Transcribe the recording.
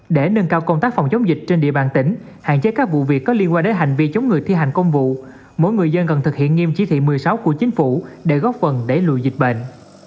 để nâng cao công tác phòng chống dịch trên địa bàn tỉnh hạn chế các vụ việc có liên quan đến hành vi chống người thi hành công vụ mỗi người dân cần thực hiện nghiêm chỉ thị một mươi sáu của chính phủ để góp phần đẩy lùi dịch bệnh